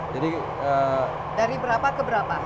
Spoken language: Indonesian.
jadi dari berapa ke berapa